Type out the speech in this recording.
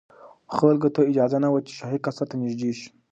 خلکو ته اجازه نه وه چې شاهي قصر ته نږدې شي.